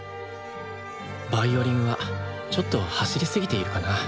ヴァイオリンはちょっと走りすぎているかな。